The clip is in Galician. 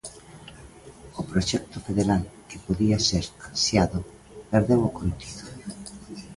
O proxecto federal, que podía ser ansiado, perdeu o contido.